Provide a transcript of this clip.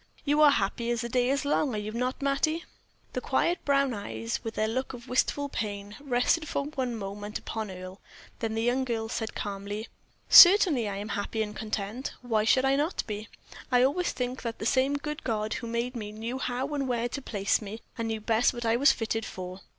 You are happy as the day is long, are you not, Mattie?" The quiet brown eyes, with their look of wistful pain, rested for one moment upon Earle, then the young girl said, calmly: "Certainly I am happy and content. Why should I not be? I always think that the same good God who made me knew how and where to place me, and knew best what I was fitted for."